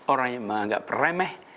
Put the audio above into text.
orang yang menganggap remeh